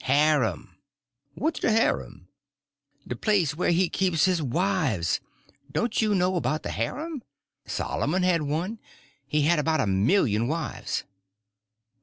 "Harem." "What's de harem?" "The place where he keeps his wives. Don't you know about the harem? Solomon had one; he had about a million wives."